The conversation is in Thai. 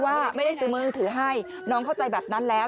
ว่าไม่ได้ซื้อมือถือให้น้องเข้าใจแบบนั้นแล้ว